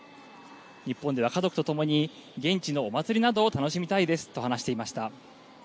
日本では家族と共に、現地のお祭りなどを楽しみたいですと話していました。